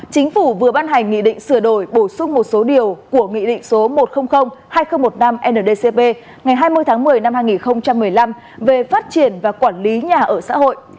chính phủ vừa ban hành nghị định sửa đổi bổ sung một số điều của nghị định số một trăm linh hai nghìn một mươi năm ndcp ngày hai mươi tháng một mươi năm hai nghìn một mươi năm về phát triển và quản lý nhà ở xã hội